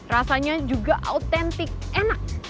rasanya juga otentik enak